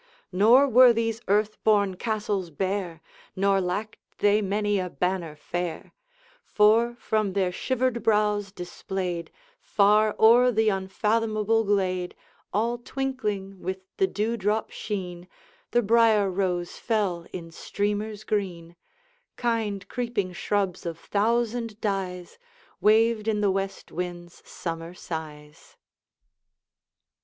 Nor were these earth born castles bare, Nor lacked they many a banner fair; For, from their shivered brows displayed, Far o'er the unfathomable glade, All twinkling with the dewdrop sheen, The briar rose fell in streamers green, kind creeping shrubs of thousand dyes Waved in the west wind's summer sighs.